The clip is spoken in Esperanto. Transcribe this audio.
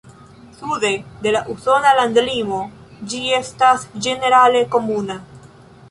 Sude de la usona landlimo ĝi estas ĝenerale komuna.